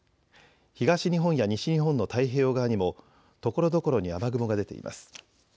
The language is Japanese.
東日本や西日本の太平洋側にもところどころに雨雲が出ています。